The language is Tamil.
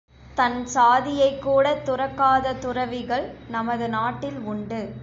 தன் சாதியைக் கூட துறக்காத துறவிகள் நமது நாட்டில் உண்டு.